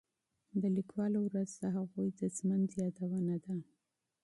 د لیکوالو ورځ د هغوی د ژوند یادونه ده.